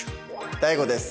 ＤＡＩＧＯです。